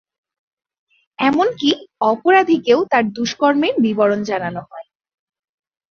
এমনকি অপরাধীকেও তার দুষ্কর্মের বিবরণ জানানো হয়।